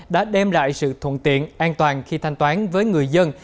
đã đem lại sự thuận tiện an toàn khi thanh toán với người dân